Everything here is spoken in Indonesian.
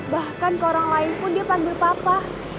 bahkan ke orang lain pun dia panggil papa